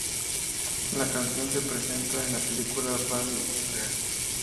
La canción se presenta en la película "Van Wilder".